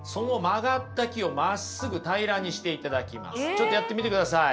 ちょっとやってみてください。